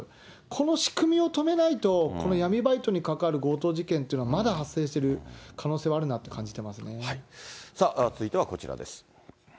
この仕組みを止めないと、この闇バイトに関わる強盗事件というのはまだ発生する可能性はあ続いてはこちらです。